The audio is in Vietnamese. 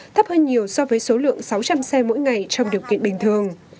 thấp hơn nhiều so với số lượng sáu trăm linh xe mỗi ngày trong điều kiện bình thường